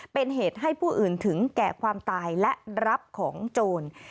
เป็นเหตุให้ผู้อื่นถึงแก่ความตายและรับของโจร